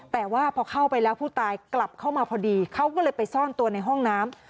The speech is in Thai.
แต่ว่าพอเข้าไปแล้วผู้ตายกลับเข้ามาพอดีเขาก็เลยไปซ่อนตัวในห้องน้ำ